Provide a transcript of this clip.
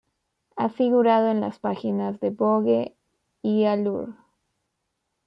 Ha figurado en las páginas de Vogue y Allure.